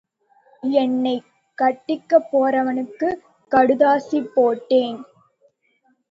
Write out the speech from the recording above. என்னைக் கட்டிக்கப்போறவருக்குக் கடுதாசி போட்டேன்.